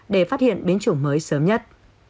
để phát hiện biến chủng mới sớm nhất